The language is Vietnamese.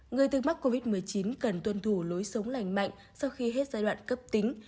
người từng mắc covid một mươi chín cần tuân thủ lối sống lành mạnh sau khi hết giai đoạn cấp tính